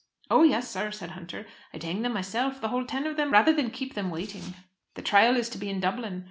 "Oh, yes! sir," said Hunter. "I'd hang them myself; the whole ten of them, rather than keep them waiting." "The trial is to be in Dublin.